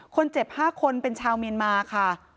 คนเจ็บ๕คนเป็นชาวเมียนมาค่ะ